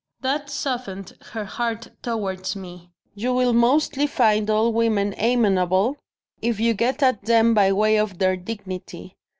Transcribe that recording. That softened her heart towards me. You will mostly find old women amenable, if you get at them by way of their dignity.